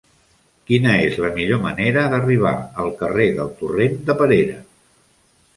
Quina és la millor manera d'arribar al carrer del Torrent de Perera?